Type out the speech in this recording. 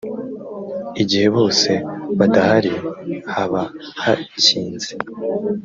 igihe bose badahari habahakinze.